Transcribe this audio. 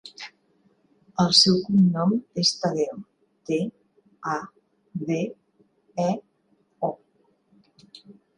El seu cognom és Tadeo: te, a, de, e, o.